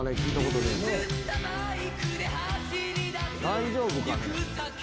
大丈夫かね？